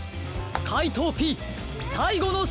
かいとうＰさいごのしょうぶです！